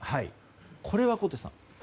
これは、纐纈さん。